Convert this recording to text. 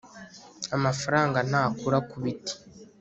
amafaranga ntakura kubiti